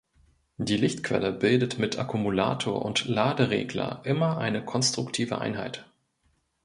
Die Lichtquelle bildet mit Akkumulator und Laderegler immer eine konstruktive Einheit.